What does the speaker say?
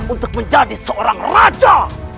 untuk menjadi seorang raja